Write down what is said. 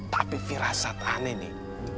tapi firasat aneh nih